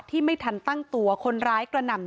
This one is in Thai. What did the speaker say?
ที่ไม่ทันตั้งตัวคนร้ายกระหน่ำ